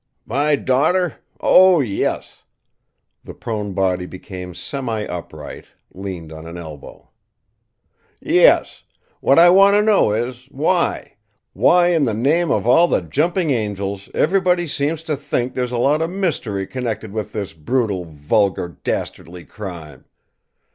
"My daughter? Oh, yes!" The prone body became semi upright, leaned on an elbow. "Yes! What I want to know is, why why, in the name of all the jumping angels, everybody seems to think there's a lot of mystery connected with this brutal, vulgar, dastardly crime!